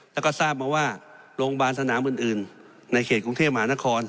แล้วก็ทราบมาว่าโรงพยาบาลสนามอื่นในเขตกรุงเทพมหานคร